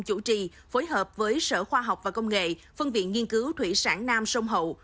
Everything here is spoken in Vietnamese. chủ trì phối hợp với sở khoa học và công nghệ phân viện nghiên cứu thủy sản nam sông hậu